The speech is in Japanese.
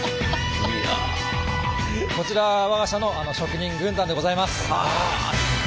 こちらが我が社の職人軍団でございます！